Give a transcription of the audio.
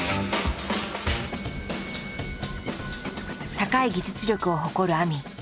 高い技術力を誇るＡＭＩ。